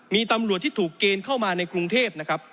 มีตำรวจที่ถูกเกณฑ์เข้ามาในกรุงเทพนะครับ